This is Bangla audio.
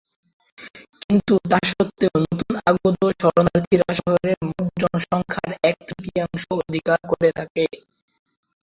কিন্তু তা সত্ত্বেও নতুন আগত শরণার্থীরা শহরের মোট জনসংখ্যার এক-তৃতীয়াংশ অধিকার করে থাকে।